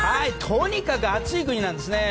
とにかく暑い国なんですね。